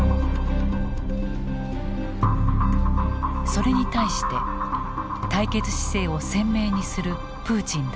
それに対して対決姿勢を鮮明にするプーチン大統領。